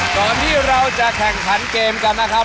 ก่อนที่เราจะแข่งขันเกมกันนะครับ